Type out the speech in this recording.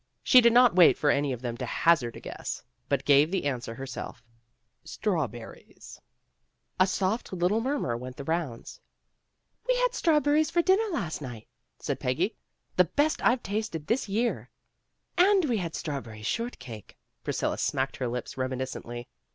She did not wait for any of them to hazard a guess, but gave the answer herself, " Strawberries." 39 40 PEGGY RAYMOND'S WAY _^^__^^_^___^^__^_^_i A soft little murmur went the rounds. "We had strawberries for dinner last night," said Peggy, "the best I've tasted this year." "And we had strawberry short cake." Pris cilla smacked her lips reminiscently.